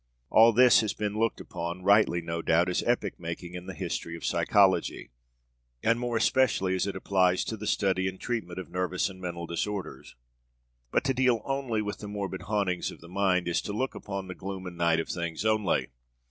All this has been looked upon rightly, no doubt as epoch making in the history of psychology, and more especially as it applies to the study and treatment of nervous and mental disorders. But to deal only with the morbid hauntings of the mind is to look upon the gloom and night of things only.